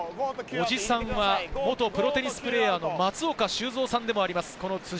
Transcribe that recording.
おじさんは元プロテニスプレーヤーの松岡修造さんでもあります。